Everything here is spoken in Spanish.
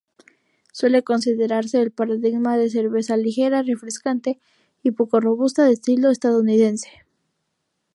Suele considerarse el paradigma de cerveza ligera, refrescante y poco robusta de estilo estadounidense.